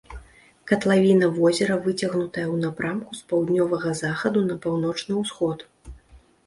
Катлавіна возера выцягнутая ў напрамку з паўднёвага захаду на паўночны ўсход.